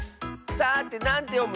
さてなんてよむ？